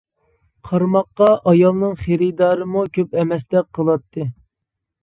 قارىماققا ئايالنىڭ خېرىدارىمۇ كۆپ ئەمەستەك قىلاتتى.